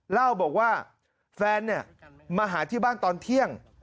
เล่าบอกว่าแฟนเนี่ยมาหาที่บ้านตอนเที่ยง